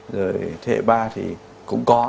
rồi thế hệ ba thì cũng có